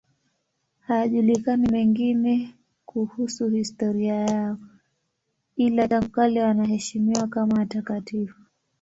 Hayajulikani mengine kuhusu historia yao, ila tangu kale wanaheshimiwa kama watakatifu.